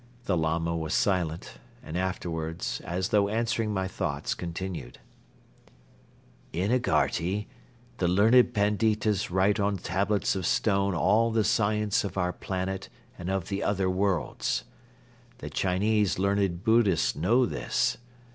The Lama was silent and afterwards, as though answering my thoughts, continued. "In Agharti the learned Panditas write on tablets of stone all the science of our planet and of the other worlds. The Chinese learned Buddhists know this.